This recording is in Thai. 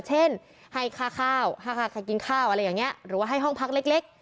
เช่นให้ค่าข้าวกินข้าวอะไรอย่างนี้หรือว่าให้ห้องพักเล็ก